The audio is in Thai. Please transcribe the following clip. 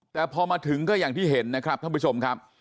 แต่พอมาถึงก็อย่างที่เห็นนะครับท่านผู้ชมครับ